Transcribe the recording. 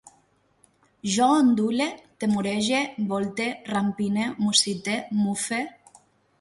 Jo ondule, temorege, volte, rampine, mussite, mufe